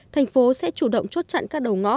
tp hcm sẽ chủ động chốt chặn các đầu ngõ